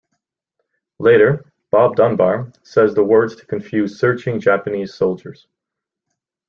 Later, Bob Dunbar says the words to confuse searching Japanese soldiers.